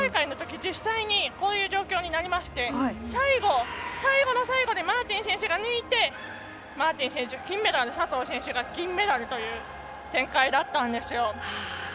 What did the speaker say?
実際にこういう状況になりまして最後の最後でマーティン選手が抜いてマーティン選手、金メダルで佐藤選手が銀メダルという展開だったんですよ。